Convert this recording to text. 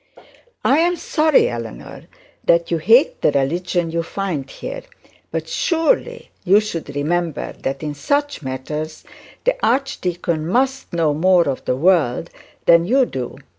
'I am sorry, Eleanor, that you hate the religion you find here; but surely you should remember that in such matters the archdeacon must know more of the world than you do.